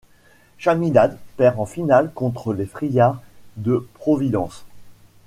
Chaminade perd en finale contre les Friars de Providence.